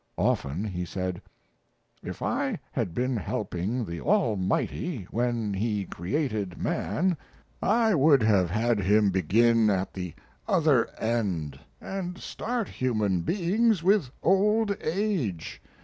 Often he said: "If I had been helping the Almighty when, He created man, I would have had Him begin at the other end, and start human beings with old age.